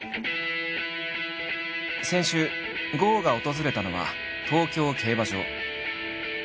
先週郷が訪れたのは東京競馬場。